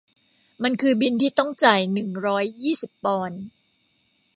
มันคือบิลที่ต้องจ่ายหนึ่งร้อยยี่สิบปอนด์